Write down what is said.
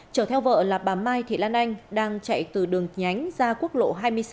chở theo vợ là bà mai thị lan anh đang chạy từ đường nhánh ra quốc lộ hai mươi sáu